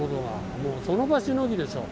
もうその場しのぎでしょ。